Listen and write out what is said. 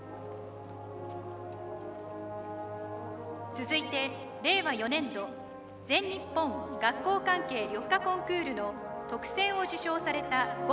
続いて令和４年度全日本学校関係緑化コンクールの特選を受賞された５校の皆様です。